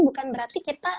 bukan berarti kita